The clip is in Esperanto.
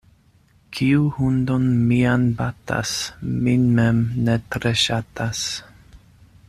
Kiu hundon mian batas, min mem ne tre ŝatas.